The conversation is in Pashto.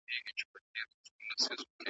نه له سیال نه له تربوره برابر دی .